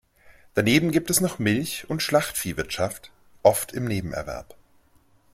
Daneben gibt es noch Milch- und Schlachtvieh-Wirtschaft, oft im Nebenerwerb.